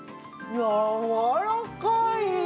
やわらかい！